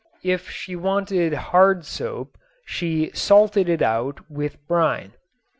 If she wanted hard soap she "salted it out" with brine.